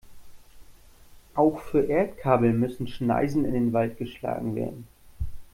Auch für Erdkabel müssen Schneisen in den Wald geschlagen werden.